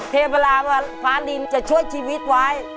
เทปเวลาว่าฟ้าลินจะช่วยชีวิตไว้